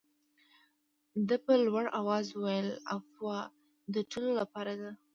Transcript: ده په لوړ آواز وویل عفوه د ټولو لپاره ده.